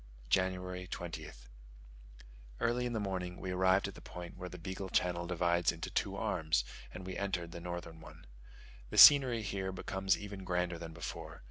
January 20th. Early in the morning we arrived at the point where the Beagle Channel divides into two arms; and we entered the northern one. The scenery here becomes even grander than before.